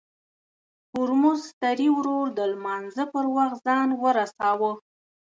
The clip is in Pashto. هورموز تري ورور د لمانځه پر وخت ځان ورساوه.